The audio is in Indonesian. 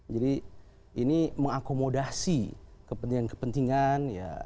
jadi ini mengakomodasi kepentingan kepentingan